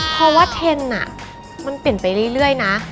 เพราะว่าเทรนด์มันเปลี่ยนไปเรื่อยนะ